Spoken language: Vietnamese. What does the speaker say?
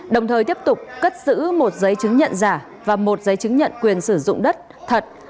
đồng thời tiếp tục cất giữ một giấy chứng nhận giả và một giấy chứng nhận quyền sử dụng đất thật